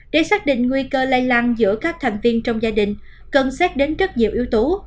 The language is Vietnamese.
để xác định nguy cơ lây lan giữa các thành viên trong gia đình cần xét đến rất nhiều yếu tố